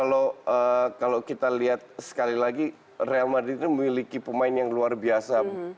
kalau kita lihat sekali lagi real madrid ini memiliki pemain yang luar biasa